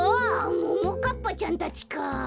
ももかっぱちゃんたちか。